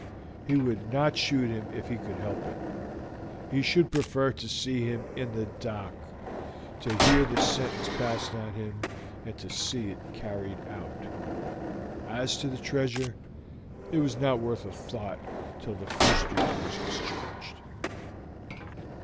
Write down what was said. He would not shoot him if he could help it. He should prefer to see him in the dock, to hear the sentence passed on him, and to see it carried out. As to the treasure, it was not worth a thought till his first duty was discharged.